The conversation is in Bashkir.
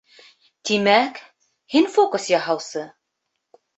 — Тимәк, һин фокус яһаусы?